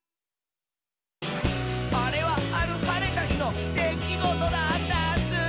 「あれはあるはれたひのできごとだったッスー」